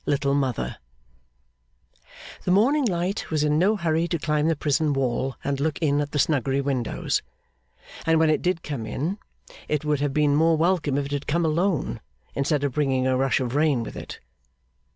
Little Mother The morning light was in no hurry to climb the prison wall and look in at the Snuggery windows; and when it did come, it would have been more welcome if it had come alone, instead of bringing a rush of rain with it.